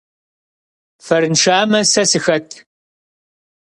Фэрыншамэ, сэ сыхэт?